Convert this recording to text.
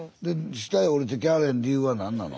下へおりて来はれへん理由は何なの？